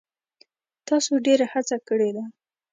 تاسو ډیره هڅه کړې ده.